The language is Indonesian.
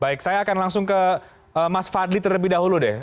baik saya akan langsung ke mas fadli terlebih dahulu deh